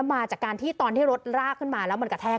มาจากการที่ตอนที่รถลากขึ้นมาแล้วมันกระแทก